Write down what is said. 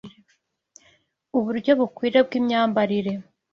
uburyo bukwiriye bw’imyambarire,